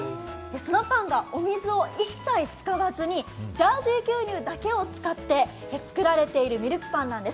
そのパンが、お水を一切使わずにジャージー牛乳だけを使って作られているミルクパンなんです。